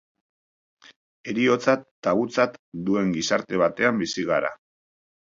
Heriotza tabutzat duen gizarte batean bizi gara.